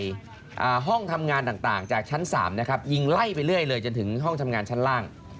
อ่าห้องทำงานต่างต่างจากชั้นสามนะครับยิงไล่ไปเรื่อยเลยจนถึงห้องทำงานชั้นล่าง